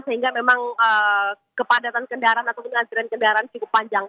sehingga memang kepadatan kendaraan ataupun antrian kendaraan cukup panjang